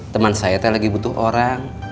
teman saya lagi butuh orang